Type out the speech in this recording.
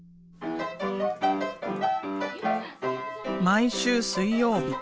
毎週水曜日。